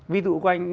ví dụ của anh